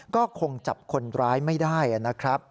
ก็คงจับคนร้ายไม่ได้นะครับ